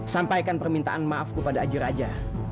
sampaikan permintaan maafku pada aji raja